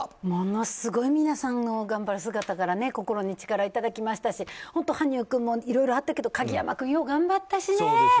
ものすごい皆さんの頑張る姿から力をいただきましたし羽生君もいろいろあったけど鍵山君も頑張ったね。